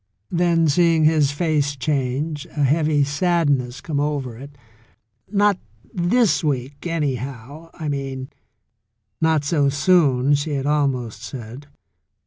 Then seeing his face change, a heavy sadness come over it, "Not this week, anyhow, I mean" ("Not so soon,'* she had almost said).